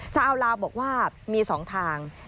ชาวลาวบอกว่ามี๒ทาง